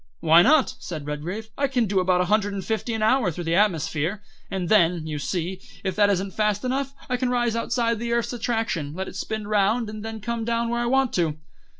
"Why not?" said Redgrave; "I can do about a hundred and fifty an hour through the atmosphere, and then, you see, if that isn't fast enough I can rise outside the earth's attraction, let it spin round, and then come down where I want to."